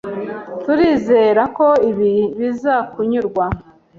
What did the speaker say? Turizera ko ibi bizakunyurwa.